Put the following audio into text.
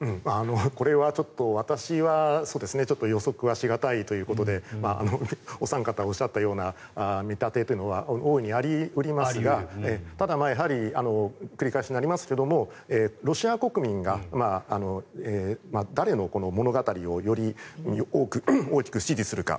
これは私は、ちょっと予測はし難いということでお三方がおっしゃったような見立てというのは大いにあり得ますがただ、繰り返しになりますがロシア国民が誰の物語をより大きく支持するか